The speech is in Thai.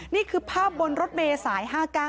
นี่คือภาพบนรถเมย์สาย๕๙